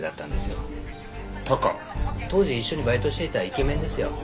当時一緒にバイトをしていたイケメンですよ。